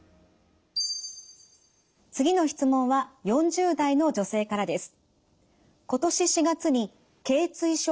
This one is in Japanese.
次の質問は４０代の女性からです。